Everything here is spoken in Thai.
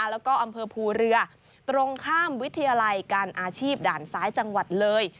แล้วก็อำเภอภูเรือตรงข้ามวิทยาลัยการอาชีพด่านซ้ายจังหวัดเลย